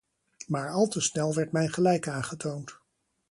Maar al te snel werd mijn gelijk aangetoond.